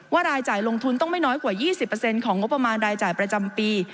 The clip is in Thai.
รายจ่ายลงทุนต้องไม่น้อยกว่า๒๐ของงบประมาณรายจ่ายประจำปี